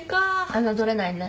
侮れないね。